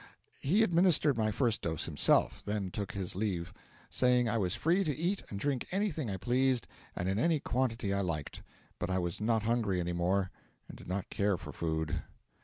He administered my first dose himself, then took his leave, saying I was free to eat and drink anything I pleased and in any quantity I liked. But I was not hungry any more, and did not care for food.